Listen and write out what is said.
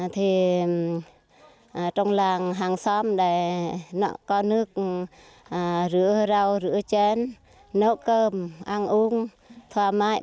thì trong làng hàng xóm này nó có nước rửa rau rửa chén nấu cơm ăn uống thoải mái